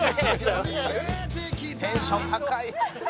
テンション高い。